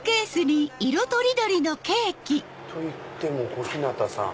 といっても小日向さん。